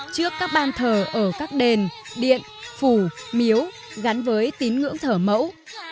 trước các ban thờ ở các đền điện phủ miếu gắn với tín ngưỡng thờ mẫu